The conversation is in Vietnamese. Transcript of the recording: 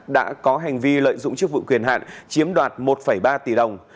đã có hành vi lợi dụng chức vụ quyền hạn chiếm đoạt một ba tỷ đồng